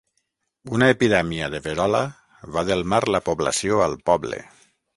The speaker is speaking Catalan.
Una epidèmia de verola va delmar la població al poble.